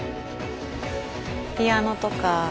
ピアノとか。